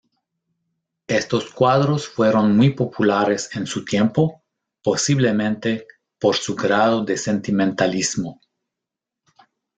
Estos cuadros fueron muy populares en su tiempo, posiblemente, por su grado de sentimentalismo.